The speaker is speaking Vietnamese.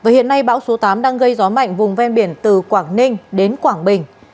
hiện nay bão số tám đang gây gió mạnh vùng ven biển từ quảng ninh đến quảng bình